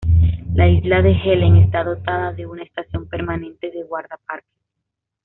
La isla de Helen está dotada de una estación permanente de guardaparques.